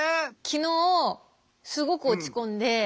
昨日すごく落ち込んで。